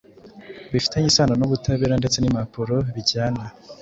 bifitanye isano n’ubutabera ndetse n’impapuro bijyana.